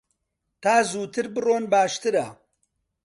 تا زووتر بڕۆن باشترە.